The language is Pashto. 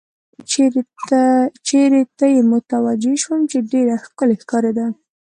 چېرې ته یې متوجه شوم، چې ډېره ښکلې ښکارېده.